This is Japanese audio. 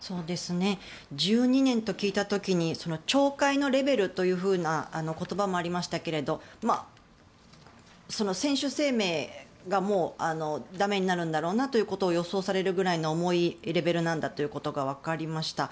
１２年と聞いた時に懲戒のレベルというふうな言葉もありましたけれど選手生命がもう駄目になるんだろうなということを予想されるぐらいの重いレベルなんだということがわかりました。